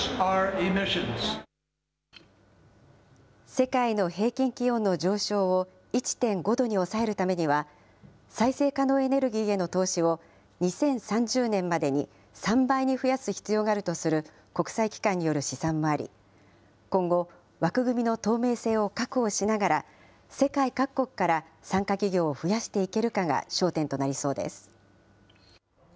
世界の平均気温の上昇を１．５度に抑えるためには、再生可能エネルギーへの投資を２０３０年までに３倍に増やす必要があるとする、国際機関による試算もあり、今後、枠組みの透明性を確保しながら、世界各国から参加企業を増やしていけるかが焦点となりそうです。